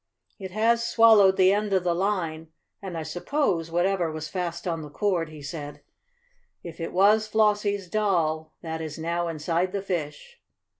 "It has swallowed the end of the line, and, I suppose, whatever was fast on the cord," he said. "If it was Flossie's doll, that is now inside the fish."